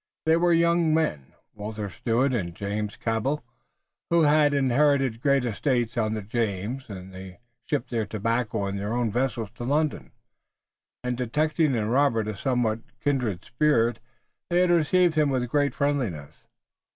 They were young men, Walter Stuart and James Cabell, who had inherited great estates on the James and they shipped their tobacco in their own vessels to London, and detecting in Robert a somewhat kindred spirit they had received him with great friendliness.